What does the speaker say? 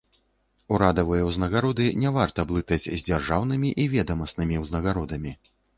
Урадавыя ўзнагароды не варта блытаць з дзяржаўнымі і ведамаснымі ўзнагародамі.